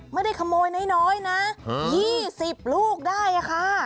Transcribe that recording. ไม่ได้ขโมยน้อยนะหือยี่สิบลูกได้อ่ะค่ะ